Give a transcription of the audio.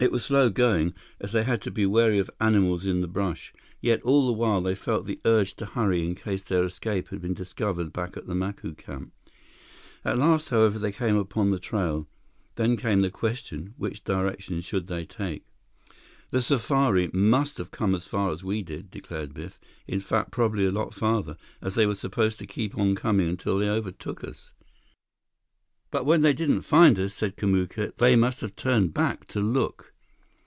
It was slow going, as they had to be wary of animals in the brush, yet all the while they felt the urge to hurry in case their escape had been discovered back at the Macu camp. At last, however, they came upon the trail. Then came the question: Which direction should they take? "The safari must have come as far as we did," declared Biff, "in fact probably a lot farther, as they were supposed to keep on coming until they overtook us." "But when they didn't find us," said Kamuka, "they must have turned back to look."